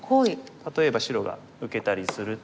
例えば白が受けたりすると。